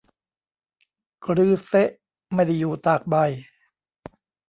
กรือเซะไม่ได้อยู่ตากใบ